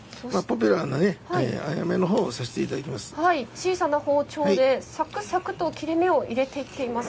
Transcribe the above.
小さな包丁でサクサクと切れ目を入れていっています。